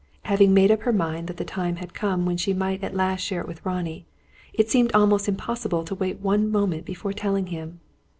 Having made up her mind that the time had come when she might at last share it with Ronnie, it seemed almost impossible to wait one moment before telling him.